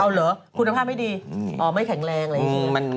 เอาเหรอคุณภาพไม่ดีอ๋อไม่แข็งแรงอะไรอย่างนี้